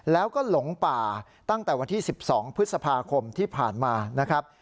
แล้วก็หลงป่าตั้งแต่วันที่๑๒พฤษภาคมที่ผ่านมานะครับ